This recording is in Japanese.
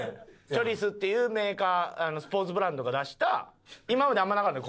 チョリスっていうメーカースポーツブランドが出した今まであんまなかった